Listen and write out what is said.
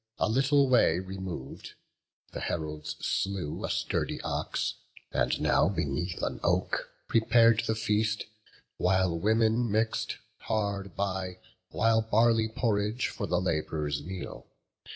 A little way remov'd, the heralds slew A sturdy ox, and now beneath an oak Prepar'd the feast; while women mix'd, hard by, White barley porridge for the lab'rers' meal.